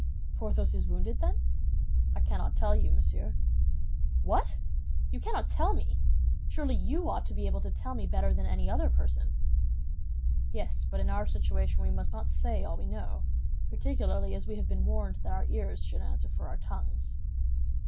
"Porthos is wounded, then?" "I cannot tell you, monsieur." "What! You cannot tell me? Surely you ought to be able to tell me better than any other person." "Yes; but in our situation we must not say all we know—particularly as we have been warned that our ears should answer for our tongues."